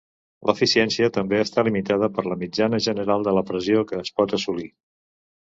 L'eficiència també està limitada per la mitjana general de la pressió que es pot assolir.